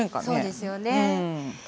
そうですよね。